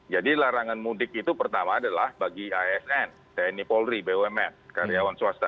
jadi larangan mudik itu pertama adalah bagi asn tni polri bumn karyawan swasta